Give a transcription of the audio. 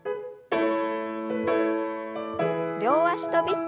両脚跳び。